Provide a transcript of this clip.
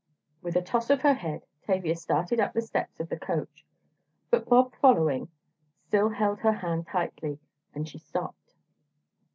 With a toss of her head, Tavia started up the steps of the coach, but Bob following, still held her hand tightly, and she stopped.